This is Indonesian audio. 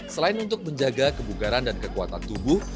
selain untuk menjaga kebugaran dan kekuatan tubuh